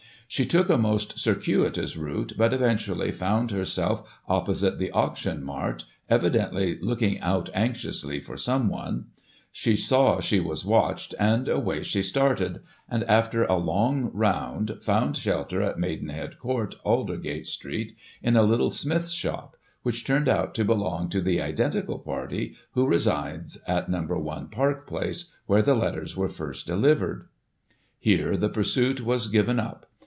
She took a most circuitous route, but, eventually, found herself opposite the Auction Mart, evidently looking out anxiously for someone ; she saw she was watched, and away she started, and, after a long round, found shelter in Maidenhead Court, Aidersgate Street, in a little smith's shop — ^which turned out to belong to the identical party who resides at No. i. Park Place, where the letters were first delivered. Here the pursuit was given up.